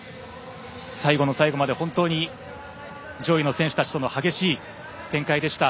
最後の最後まで本当に上位の選手たちとの激しい展開でした。